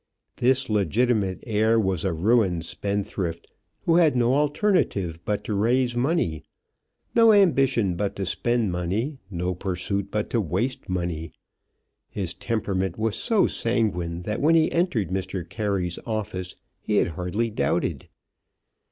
This legitimate heir was a ruined spendthrift, who had no alternative but to raise money, no ambition but to spend money, no pursuit but to waste money. His temperament was so sanguine that when he entered Mr. Carey's office he had hardly doubted.